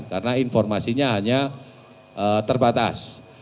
karena informasinya hanya terbatas